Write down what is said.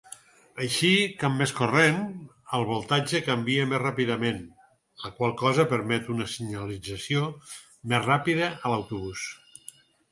Així que amb més corrent, el voltatge canvia més ràpidament, la qual cosa permet una senyalització més ràpida a l'autobús.